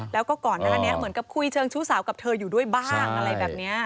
แล้วก็ก่อนหน้านี้เหมือนกับคุยเชิงชู้สาวกับเธออยู่ด้วยบ้างอะไรแบบนี้